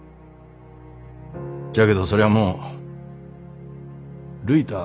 じゃけどそりゃあもうるいたあ